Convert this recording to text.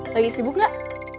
lagi sibuk nggak